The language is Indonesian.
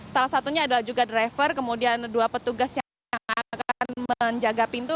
salah satunya adalah juga driver kemudian dua petugas yang akan menjaga pintu